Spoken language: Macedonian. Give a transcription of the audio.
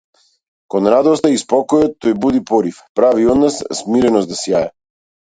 Кон радоста и спокојот тој буди порив, прави од нас смиреност да сјае.